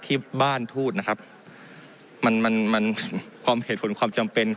ที่บ้านทูตนะครับมันมันความเหตุผลความจำเป็น